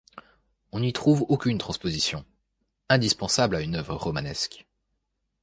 On n'y trouve aucune transposition, indispensable à une œuvre romanesque.